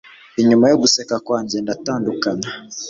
inyuma yo guseka kwanjye ndatandukana